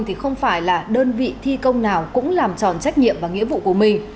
thì không phải là đơn vị thi công nào cũng làm tròn trách nhiệm và nghĩa vụ của mình